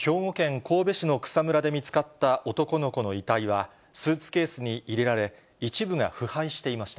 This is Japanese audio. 兵庫県神戸市の草むらで見つかった男の子の遺体は、スーツケースに入れられ、一部が腐敗していました。